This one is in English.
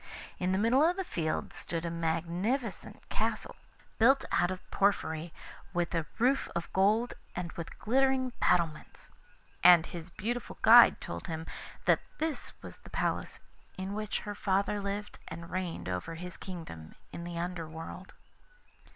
In the middle of the field stood a magnificent castle, built out of porphyry, with a roof of gold and with glittering battlements. And his beautiful guide told him that this was the palace in which her father lived and reigned over his kingdom in the Under world.